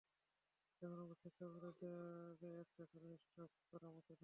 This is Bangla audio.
এখানে উপস্থিত সকলের দেয়ালে একটা করে স্টাফ করা মাছ ঝুলছে।